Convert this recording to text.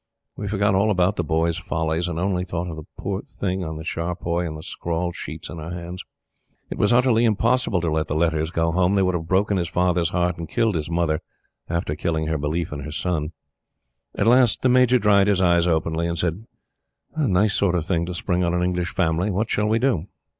We forgot all about The Boy's follies, and only thought of the poor Thing on the charpoy and the scrawled sheets in our hands. It was utterly impossible to let the letters go Home. They would have broken his Father's heart and killed his Mother after killing her belief in her son. At last the Major dried his eyes openly, and said: "Nice sort of thing to spring on an English family! What shall we do?"